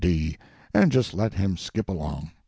D., and just let him skip along.